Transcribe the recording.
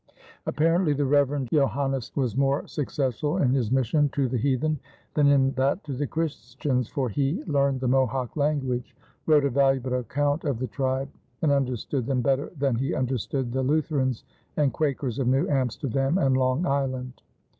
Apparently the Reverend Johannes was more successful in his mission to the heathen than in that to the Christians, for he learned the Mohawk language, wrote a valuable account of the tribe, and understood them better than he understood the Lutherans and Quakers of New Amsterdam and Long Island.